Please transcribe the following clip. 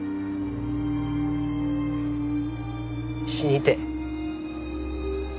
死にてえ。